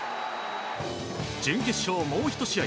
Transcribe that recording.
準決勝、もう１試合。